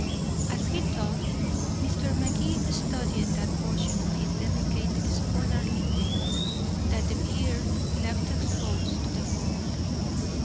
As he talked, Mr. Magee studied that portion of his delicate scholarly face that the beard left exposed to the world.